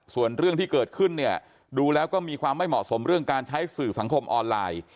ส่วนเรื่องที่เกิดขึ้นเนี่ยดูแล้วก็มีความไม่เหมาะสมเรื่องการใช้สื่อสังคมออนไลน์